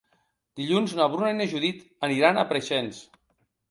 Dilluns na Bruna i na Judit aniran a Preixens.